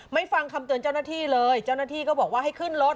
ฟังคำเตือนเจ้าหน้าที่เลยเจ้าหน้าที่ก็บอกว่าให้ขึ้นรถ